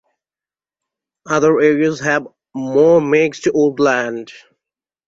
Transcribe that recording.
Other areas have more mixed woodland.